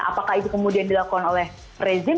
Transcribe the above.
apakah itu kemudian dilakukan oleh rezim